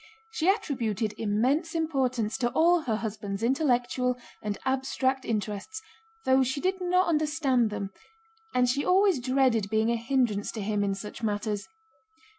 She attributed immense importance to all her husband's intellectual and abstract interests though she did not understand them, and she always dreaded being a hindrance to him in such matters.